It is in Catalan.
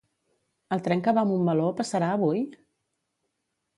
El tren que va a Montmeló, passarà avui?